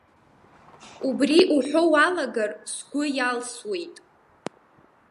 Убри уҳәо уалагар, сгәы иалсуеит.